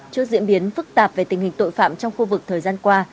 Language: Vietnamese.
trước diễn biến phức tạp về tình hình tội phạm trong khu vực thời gian qua